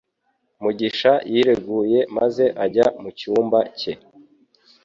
Mugisha yireguye maze ajya mu cyumba cye